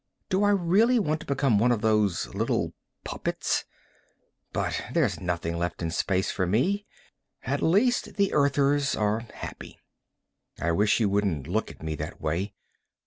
Do I really want to become one of those little puppets? But there's nothing left in space for me. At least the Earthers are happy. _I wish she wouldn't look at me that way.